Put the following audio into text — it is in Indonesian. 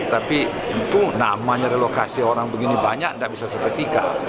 tapi tentu namanya relokasi orang begini banyak tidak bisa seketika